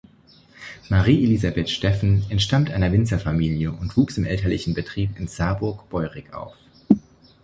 Marie-Elisabeth Steffen entstammt einer Winzerfamilie und wuchs im elterlichen Betrieb in Saarburg-Beurig auf.